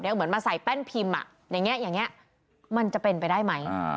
นับที่เหมือนมาใส่แป้นพิมพ์อ่ะยังไงมันจะเป็นไปได้ไหม